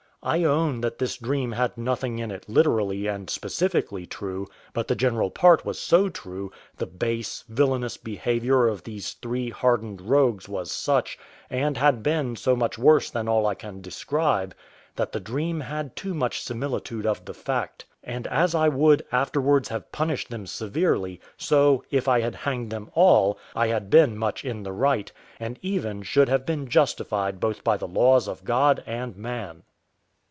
I own that this dream had nothing in it literally and specifically true; but the general part was so true the base; villainous behaviour of these three hardened rogues was such, and had been so much worse than all I can describe, that the dream had too much similitude of the fact; and as I would afterwards have punished them severely, so, if I had hanged them all, I had been much in the right, and even should have been justified both by the laws of God and man.